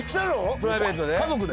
プライベートで？